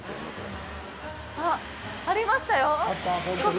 あっ、ありましたよ。